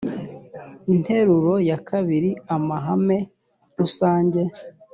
interuro ya ii amahame rusange